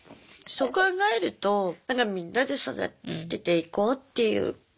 そう考えるとみんなで育てていこうっていうふうに思いますね。